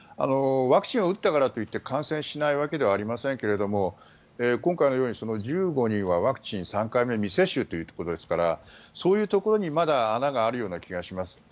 ワクチンを打ったからといって感染しないわけではないですが今回のように１５人はワクチン３回目未接種ということですからそういうところにまだ穴がある気がします。